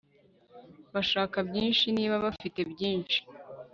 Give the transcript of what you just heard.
bashaka byinshi niba bafite byinshi